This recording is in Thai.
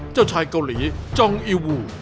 เจ้าชายเกาหลีจองอีวู